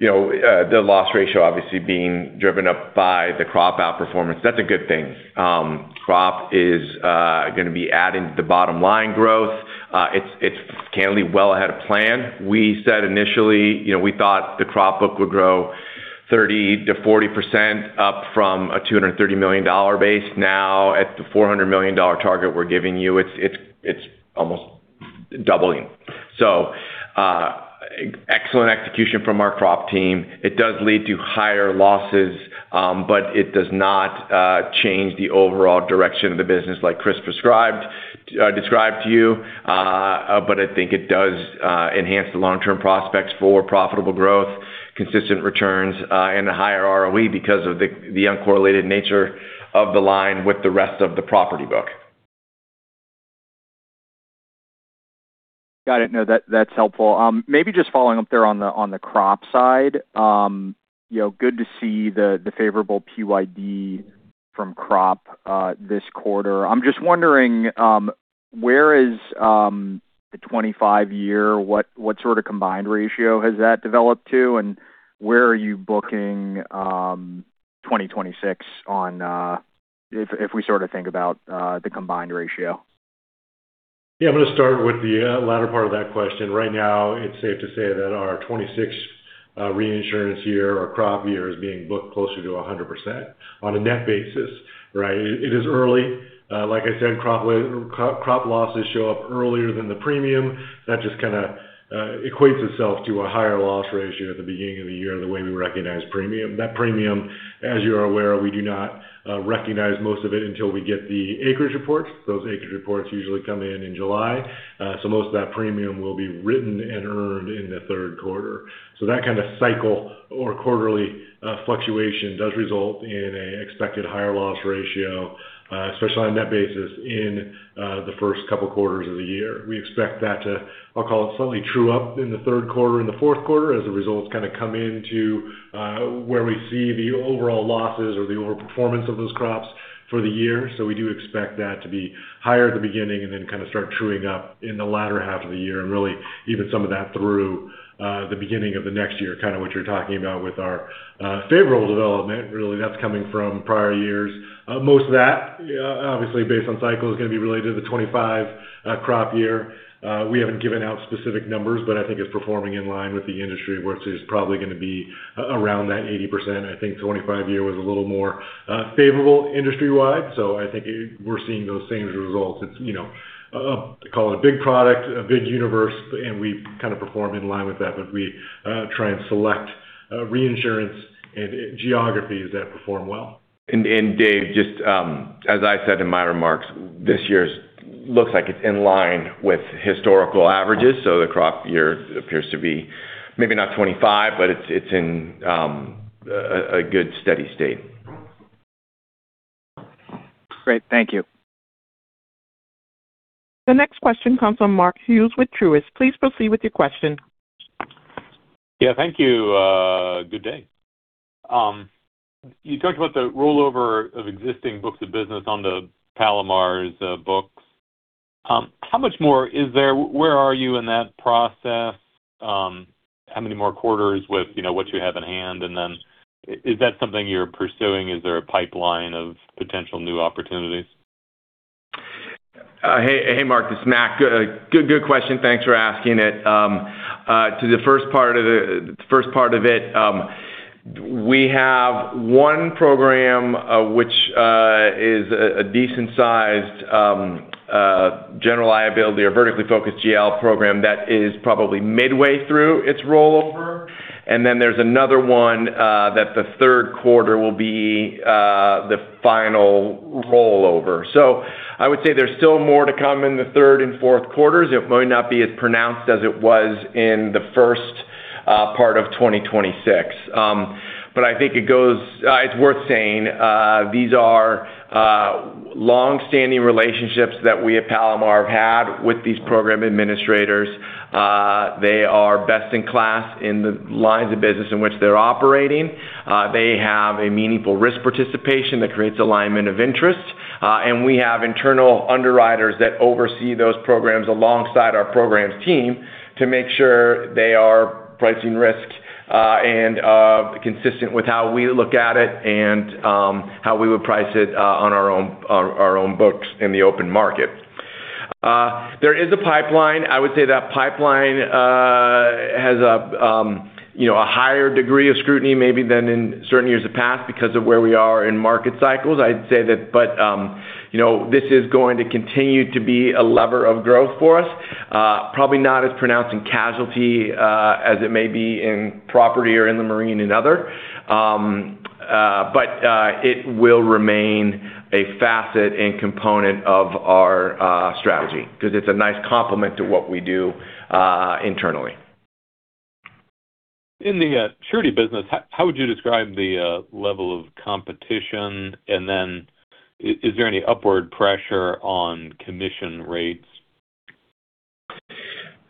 the loss ratio, obviously being driven up by the crop outperformance, that's a good thing. Crop is going to be adding to the bottom line growth. It's candidly well ahead of plan. We said initially, we thought the crop book would grow 30%-40% up from a $230 million base. Now at the $400 million target we're giving you, it's almost doubling. Excellent execution from our crop team. It does lead to higher losses, but it does not change the overall direction of the business like Chris described to you. I think it does enhance the long-term prospects for profitable growth, consistent returns, and a higher ROE because of the uncorrelated nature of the line with the rest of the property book. Got it. That's helpful. Maybe just following up there on the crop side. Good to see the favorable PYD from crop this quarter. I'm just wondering, where is the 25 year? What sort of combined ratio has that developed to? Where are you booking 2026 if we sort of think about the combined ratio? I'm going to start with the latter part of that question. Right now, it's safe to say that our 2026 reinsurance year or crop year is being booked closer to 100% on a net basis. Right? It is early. Like I said, crop losses show up earlier than the premium. That just kind of equates itself to a higher loss ratio at the beginning of the year and the way we recognize premium. That premium, as you're aware, we do not recognize most of it until we get the acreage reports. Those acreage reports usually come in in July. Most of that premium will be written and earned in the third quarter. That kind of cycle or quarterly fluctuation does result in an expected higher loss ratio, especially on net basis in the first couple quarters of the year. We expect that to, I'll call it, suddenly true up in the third quarter, in the fourth quarter as the results kind of come in to where we see the overall losses or the overall performance of those crops for the year. We do expect that to be higher at the beginning and then kind of start truing up in the latter half of the year, and really even some of that through the beginning of the next year, kind of what you're talking about with our favorable development. That's coming from prior years. Most of that, obviously based on cycle, is going to be related to the 2025 crop year. We haven't given out specific numbers, but I think it's performing in line with the industry, which is probably going to be around that 80%. I think 2025 year was a little more favorable industry-wide. I think we're seeing those same results. Call it a big product, a big universe, and we kind of perform in line with that, but we try and select reinsurance and geographies that perform well. Dave, just as I said in my remarks, this year looks like it's in line with historical averages. The crop year appears to be maybe not 2025, but it's in a good, steady state. Great. Thank you. The next question comes from Mark Hughes with Truist. Please proceed with your question. Yeah. Thank you. Good day. You talked about the rollover of existing books of business onto Palomar's books. How much more is there? Where are you in that process? How many more quarters with what you have in hand? Then is that something you're pursuing? Is there a pipeline of potential new opportunities? Hey, Mark. This is Mac. Good question. Thanks for asking it. To the first part of it, we have one program which is a decent-sized general liability or vertically-focused GL program that is probably midway through its rollover. Then there's another one that the third quarter will be the final rollover. I would say there's still more to come in the third and fourth quarters. It might not be as pronounced as it was in the first part of 2026. I think it's worth saying these are longstanding relationships that we at Palomar have had with these program administrators. They are best in class in the lines of business in which they're operating. They have a meaningful risk participation that creates alignment of interest. We have internal underwriters that oversee those programs alongside our programs team to make sure they are pricing risk and consistent with how we look at it and how we would price it on our own books in the open market. There is a pipeline. I would say that pipeline has a higher degree of scrutiny maybe than in certain years of past because of where we are in market cycles, I'd say that. This is going to continue to be a lever of growth for us. Probably not as pronounced in casualty as it may be in property or in the marine and other. It will remain a facet and component of our strategy because it's a nice complement to what we do internally. In the surety business, how would you describe the level of competition? Is there any upward pressure on commission rates?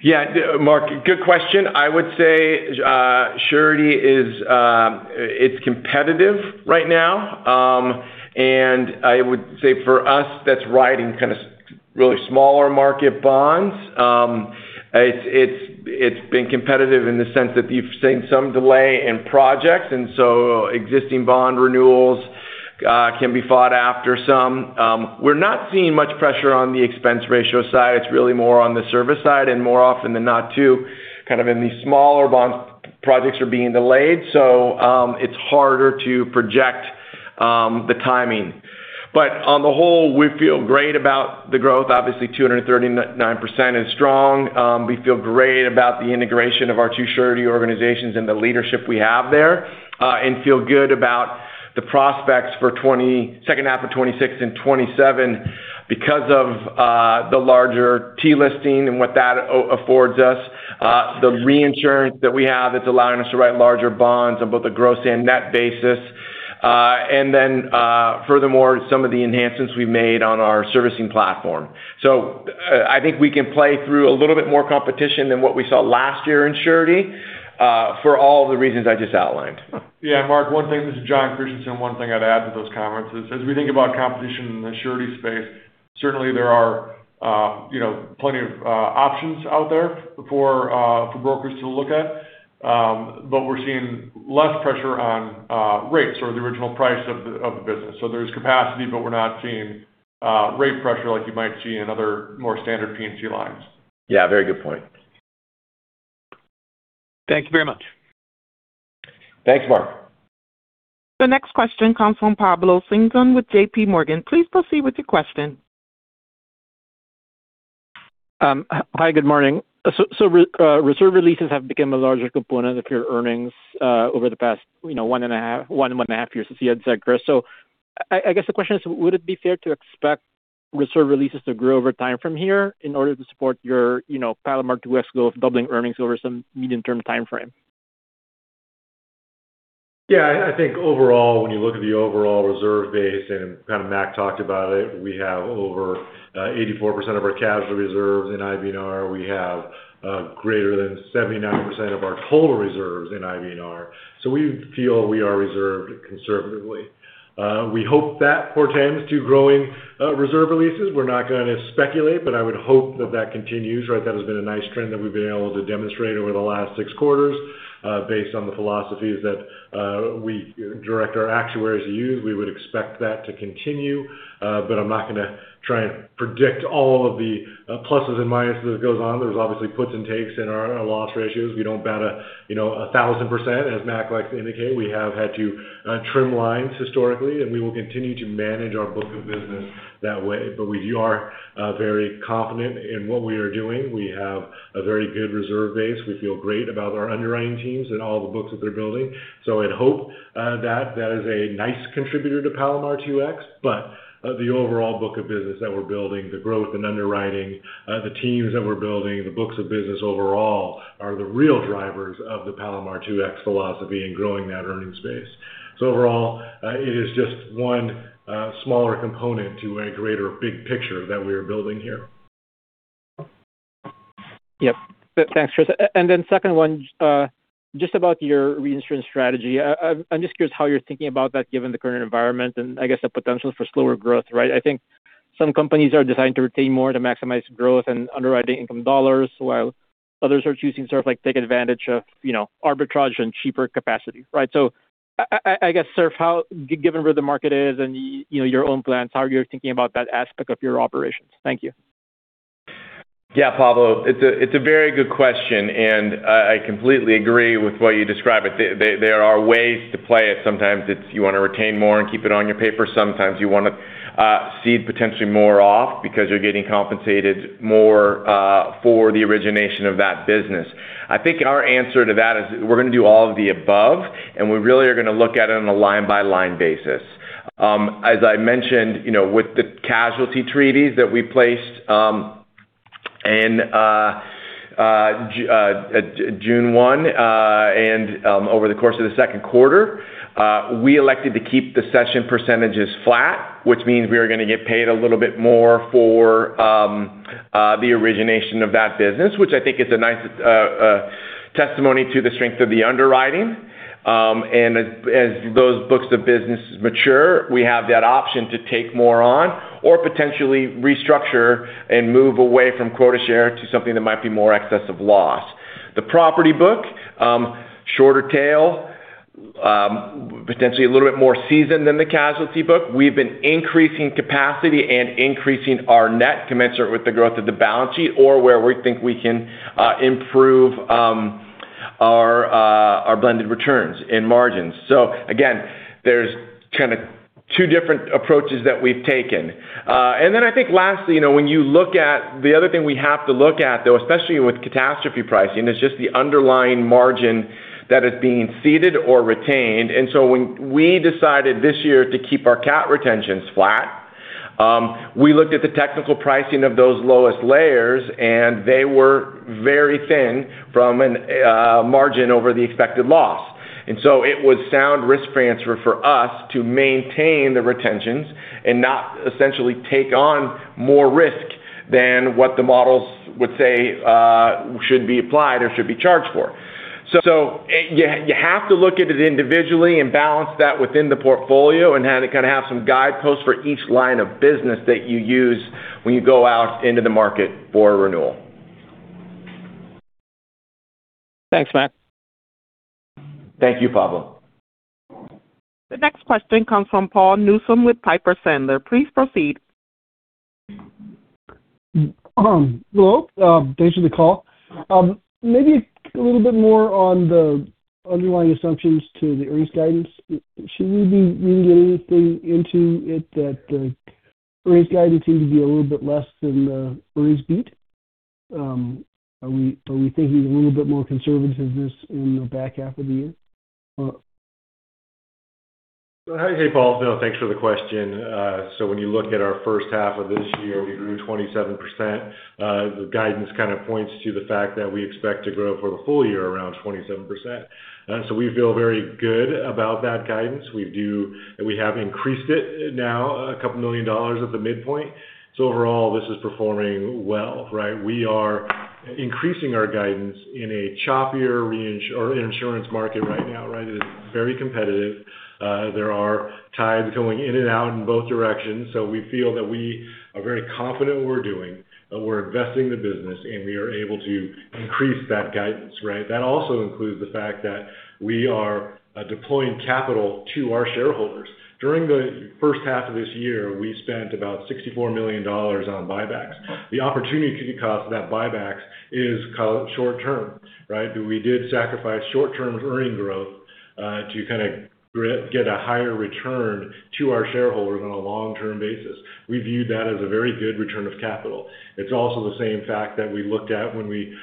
Yeah. Mark, good question. I would say surety is competitive right now. I would say for us that's riding kind of really smaller market bonds. It's been competitive in the sense that you've seen some delay in projects, existing bond renewals can be fought after some. We're not seeing much pressure on the expense ratio side. It's really more on the service side and more often than not too, kind of in the smaller bonds projects are being delayed. It's harder to project the timing. On the whole, we feel great about the growth. Obviously, 239% is strong. We feel great about the integration of our two surety organizations and the leadership we have there, feel good about the prospects for second half of 2026 and 2027 because of the larger T-List and what that affords us, the reinsurance that we have that's allowing us to write larger bonds on both a gross and net basis. Furthermore, some of the enhancements we've made on our servicing platform. I think we can play through a little bit more competition than what we saw last year in surety for all the reasons I just outlined. Yeah, Mark, one thing, this is Jon Christianson. One thing I'd add to those comments is, as we think about competition in the surety space, certainly there are plenty of options out there for brokers to look at. We're seeing less pressure on rates or the original price of the business. There's capacity, we're not seeing rate pressure like you might see in other more standard P&C lines. Yeah, very good point. Thank you very much. Thanks, Mark. The next question comes from Pablo Singzon with JPMorgan. Please proceed with your question. Hi, good morning. Reserve releases have become a larger component of your earnings over the past one and a half years since you had said, Chris. I guess the question is, would it be fair to expect reserve releases to grow over time from here in order to support your Palomar 2X goal of doubling earnings over some medium-term timeframe? I think overall, when you look at the overall reserve base, and Mac talked about it, we have over 84% of our casualty reserves in IBNR. We have greater than 79% of our total reserves in IBNR. We feel we are reserved conservatively. We hope that portends to growing reserve releases. We're not going to speculate, but I would hope that that continues, right? That has been a nice trend that we've been able to demonstrate over the last 6 quarters based on the philosophies that we direct our actuaries to use. We would expect that to continue. I'm not going to try and predict all of the pluses and minuses as it goes on. There's obviously puts and takes in our loss ratios. We don't bat a 1,000%, as Mac likes to indicate. We have had to trim lines historically, and we will continue to manage our book of business that way. We are very confident in what we are doing. We have a very good reserve base. We feel great about our underwriting teams and all the books that they're building. I'd hope that is a nice contributor to Palomar 2X. The overall book of business that we're building, the growth in underwriting, the teams that we're building, the books of business overall are the real drivers of the Palomar 2X philosophy and growing that earnings base. Overall, it is just one smaller component to a greater big picture that we are building here. Yep. Thanks, Chris. Second one, just about your reinsurance strategy. I'm just curious how you're thinking about that given the current environment and I guess the potential for slower growth, right? I think some companies are designed to retain more to maximize growth and underwriting income dollars, while others are choosing to take advantage of arbitrage and cheaper capacity, right? I guess, sort of, given where the market is and your own plans, how are you thinking about that aspect of your operations? Thank you. Yeah, Pablo, it's a very good question. I completely agree with what you described. There are ways to play it. Sometimes it's you want to retain more and keep it on your paper. Sometimes you want to cede potentially more off because you're getting compensated more for the origination of that business. I think our answer to that is we're going to do all of the above, and we really are going to look at it on a line-by-line basis. As I mentioned, with the casualty treaties that we placed in June 1 and over the course of the 2nd quarter, we elected to keep the cession percentages flat, which means we are going to get paid a little bit more for the origination of that business, which I think is a nice testimony to the strength of the underwriting. As those books of business mature, we have that option to take more on or potentially restructure and move away from quota share to something that might be more excess of loss. The property book, shorter tail, potentially a little bit more seasoned than the casualty book. We've been increasing capacity and increasing our net commensurate with the growth of the balance sheet or where we think we can improve our blended returns and margins. Again, there's kind of two different approaches that we've taken. I think lastly, when you look at the other thing we have to look at, though, especially with catastrophe pricing, is just the underlying margin that is being ceded or retained. When we decided this year to keep our cat retentions flat, we looked at the technical pricing of those lowest layers, and they were very thin from a margin over the expected loss. It was sound risk transfer for us to maintain the retentions and not essentially take on more risk than what the models would say should be applied or should be charged for. You have to look at it individually and balance that within the portfolio and kind of have some guideposts for each line of business that you use when you go out into the market for a renewal. Thanks, Mac. Thank you, Pablo. The next question comes from Paul Newsome with Piper Sandler. Please proceed. Hello. Thanks for the call. Maybe a little bit more on the underlying assumptions to the earnings guidance. Should we be reading anything into it that the earnings guidance seems to be a little bit less than the earnings beat? Are we thinking a little bit more conservativeness in the back half of the year? Hey, Paul. No, thanks for the question. When you look at our first half of this year, we grew 27%. The guidance kind of points to the fact that we expect to grow for the full year around 27%. We feel very good about that guidance. We have increased it now a couple million USD at the midpoint. Overall, this is performing well, right? We are increasing our guidance in a choppier insurance market right now. It is very competitive. There are tides going in and out in both directions. We feel that we are very confident in what we're doing, that we're investing the business, and we are able to increase that guidance, right? That also includes the fact that we are deploying capital to our shareholders. During the first half of this year, we spent about $64 million on buybacks. The opportunity cost of that buybacks is short-term, right? We did sacrifice short-term earnings growth to get a higher return to our shareholders on a long-term basis. We view that as a very good return of capital. It's also the same fact that we looked at when we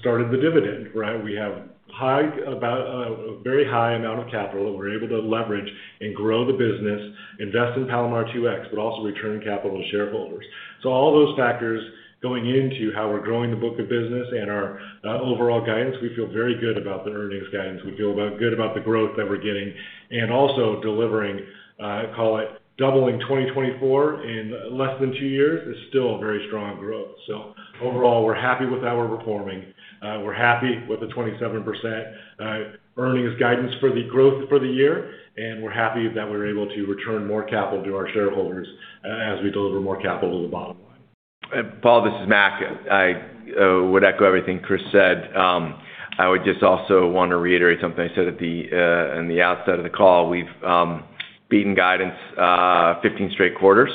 started the dividend, right? We have a very high amount of capital that we're able to leverage and grow the business, invest in Palomar 2X, but also return capital to shareholders. All those factors going into how we're growing the book of business and our overall guidance, we feel very good about the earnings guidance. We feel good about the growth that we're getting and also delivering, call it doubling 2024 in less than two years is still very strong growth. Overall, we're happy with how we're performing. We're happy with the 27% earnings guidance for the growth for the year, we're happy that we're able to return more capital to our shareholders as we deliver more capital to the bottom line. Paul, this is Mac. I would echo everything Chris said. I would just also want to reiterate something I said at the outset of the call. We've beaten guidance 15 straight quarters,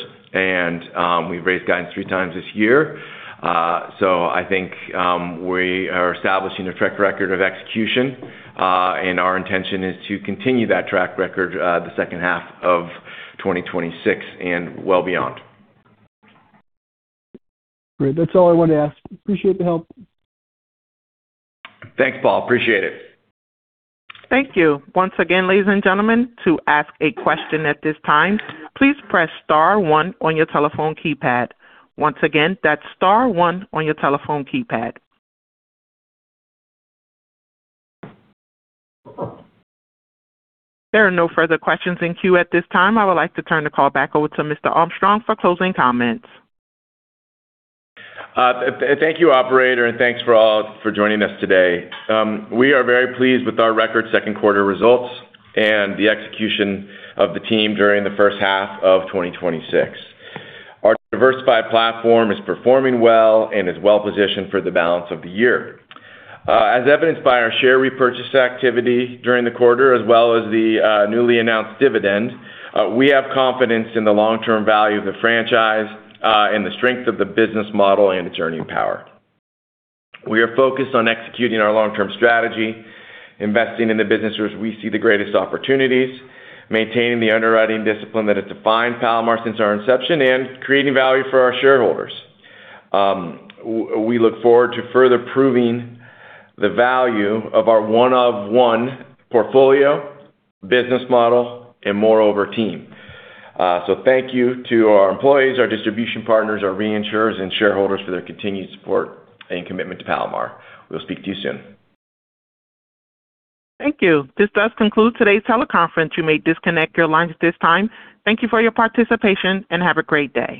we've raised guidance three times this year. I think we are establishing a track record of execution, our intention is to continue that track record the second half of 2026 and well beyond. Great. That's all I wanted to ask. Appreciate the help. Thanks, Paul. Appreciate it. Thank you. Once again, ladies and gentlemen, to ask a question at this time, please press star one on your telephone keypad. Once again, that's star one on your telephone keypad. There are no further questions in queue at this time. I would like to turn the call back over to Mr. Armstrong for closing comments. Thank you, operator. Thanks for joining us today. We are very pleased with our record second quarter results and the execution of the team during the first half of 2026. Our diversified platform is performing well and is well-positioned for the balance of the year. As evidenced by our share repurchase activity during the quarter, as well as the newly announced dividend, we have confidence in the long-term value of the franchise and the strength of the business model and its earning power. We are focused on executing our long-term strategy, investing in the businesses we see the greatest opportunities, maintaining the underwriting discipline that has defined Palomar since our inception. Creating value for our shareholders. We look forward to further proving the value of our one of one portfolio, business model, and moreover, team. Thank you to our employees, our distribution partners, our reinsurers, and shareholders for their continued support and commitment to Palomar. We'll speak to you soon. Thank you. This does conclude today's teleconference. You may disconnect your lines at this time. Thank you for your participation, and have a great day.